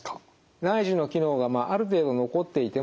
内耳の機能がある程度残っていてもですね